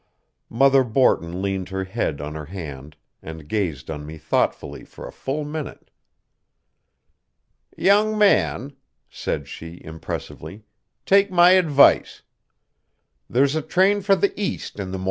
Mother Borton leaned her head on her hand, and gazed on me thoughtfully for a full minute. "Young man," said she impressively, "take my advice. There's a train for the East in the mornin'.